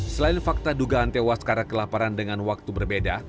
selain fakta dugaan tewas karena kelaparan dengan waktu berbeda